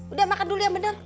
udah makan dulu ya bener